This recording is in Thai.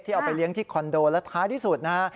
เอาไปเลี้ยงที่คอนโดและท้ายที่สุดนะฮะ